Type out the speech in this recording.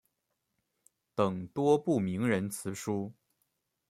等多部名人辞书。